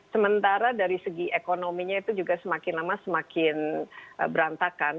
sementara dari segi ekonominya itu juga semakin lama semakin berantakan